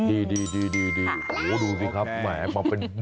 โหดูสิครับแหมมาเป็น